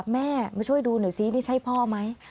แม่มาช่วยดูหน่อยซินี่ใช่พ่อไหม